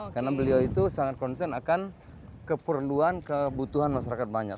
karena beliau itu sangat konsen akan keperluan kebutuhan masyarakat banyak